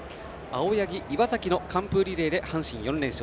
青柳、岩崎の完封リレーで阪神４連勝。